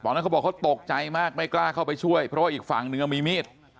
เหล่านั้นเขาบอกว่าเขาตกใจมากไม่กล้าเข้าไปช่วยเพราะว่าอีกฝั่งเนื้อมีมีด